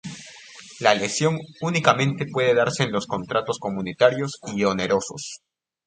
La lesión únicamente puede darse en los contratos conmutativos y onerosos.